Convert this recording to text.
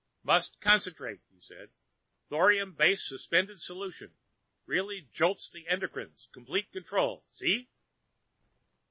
"Must concentrate," he said. "Thorium base, suspended solution. Really jolts the endocrines, complete control ... see?"